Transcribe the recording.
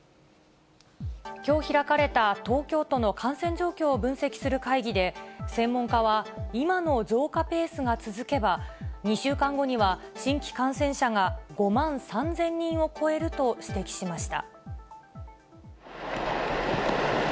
きょう開かれた東京都の感染状況を分析する会議で、専門家は、今の増加ペースが続けば、２週間後には、新規感染者が５万３０００人を超えると指摘しました。